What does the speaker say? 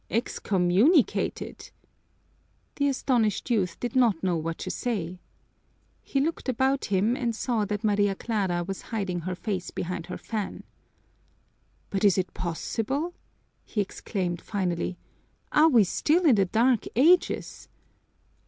"Excommunicated?" The astonished youth did not know what to say. He looked about him and saw that Maria Clara was hiding her face behind her fan. "But is it possible?" he exclaimed finally. "Are we still in the Dark Ages?